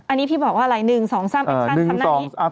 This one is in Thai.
อันนี้พี่บอกว่าอะไร๑๒๓แอคชั่นทำหน้านี้